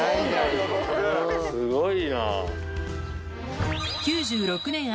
すごいな。